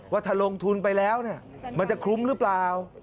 ว่าถ้าลงทุนไปแล้วมันจะคลุ้มหรือเปล่า